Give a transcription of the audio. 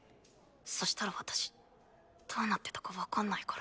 そしたら私どうなってたか分かんないから。